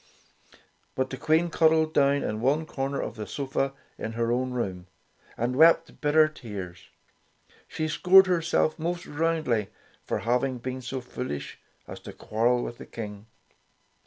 But the Queen cuddled down in one corner of the sofa in her own room, and wept bitter tears. She scored herself most roundly for having been so foolish as to quarrel with the King.